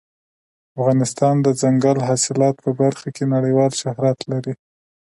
افغانستان د دځنګل حاصلات په برخه کې نړیوال شهرت لري.